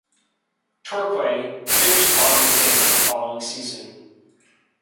Torquay finished bottom again the following season.